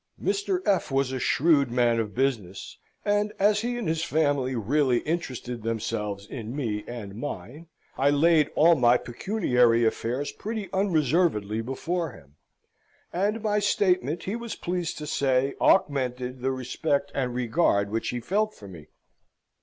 Mr. F. was a shrewd man of business, and as he and his family really interested themselves in me and mine, I laid all my pecuniary affairs pretty unreservedly before him; and my statement, he was pleased to say, augmented the respect and regard which he felt for me.